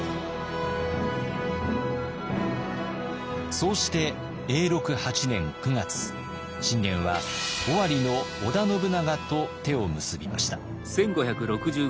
そうして信玄は尾張の織田信長と手を結びました。